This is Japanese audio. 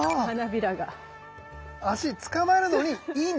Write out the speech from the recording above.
足つかまるのにいいんですね